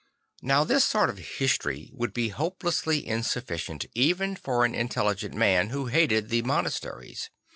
N ow this sort of history would be hopelessly insufficient, even for an intelligent man who hated the monasteries.